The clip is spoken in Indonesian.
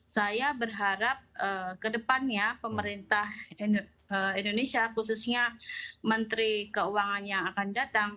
saya berharap kedepannya pemerintah indonesia khususnya menteri keuangan yang akan datang